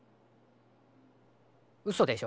うそでしょ？